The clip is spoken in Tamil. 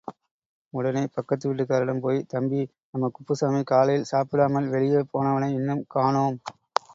உடனே பக்கத்து விட்டுக்காரரிடம் போய், தம்பி, நம்ம குப்புசாமி காலையில் சாப்பிடாமல், வெளியே போனவனை இன்னும் காணோம்.